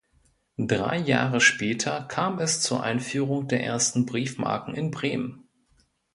Drei Jahre später kam es zur Einführung der ersten Briefmarken in Bremen.